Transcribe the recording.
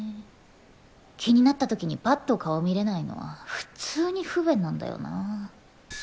気になったときにぱっと顔見れないの普通に不便なんだよなぁ